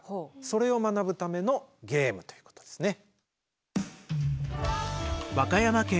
それを学ぶためのゲームということですね。